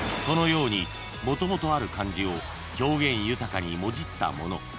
［このようにもともとある漢字を表現豊かにもじったもの